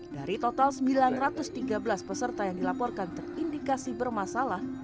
dari total sembilan ratus tiga belas peserta yang dilaporkan terindikasi bermasalah